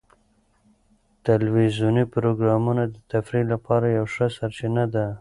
ټلویزیوني پروګرامونه د تفریح لپاره یوه ښه سرچینه ده.